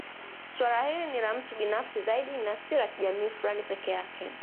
Suala hili ni la mtu binafsi zaidi na si la jamii fulani peke yake